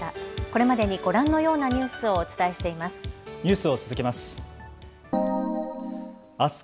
これまでにご覧のようなニュースをお伝えしています。